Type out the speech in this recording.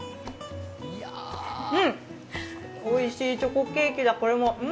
うん、おいしいチョコケーキだ、これも。